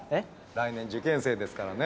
来年受験生ですからね。